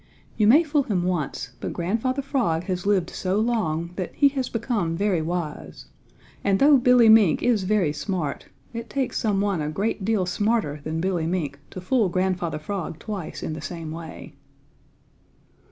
You may fool him once, but Grandfather Frog has lived so long that he has become very wise, and though Billy Mink is very smart, it takes some one a great deal smarter than Billy Mink to fool Grandfather Frog twice in the same way.